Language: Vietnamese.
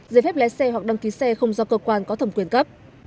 giấy phép lái xe hoặc đăng ký xe không do cơ quan có thẩm quyền cấp